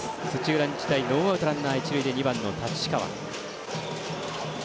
土浦日大ノーアウト、ランナー、一塁で２番の太刀川。